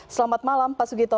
selamat malam pak sugito